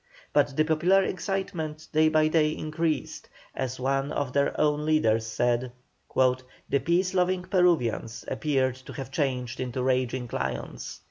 But the popular excitement day by day increased. As one of their own leaders said, "The peace loving Peruvians appeared to have changed into raging lions."